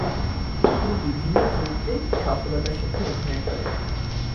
তিনি বিভিন্ন চরিত্রে সফলতার সাথে অভিনয় করেন।